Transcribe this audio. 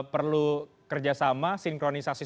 perlu kerjasama sinkronisasi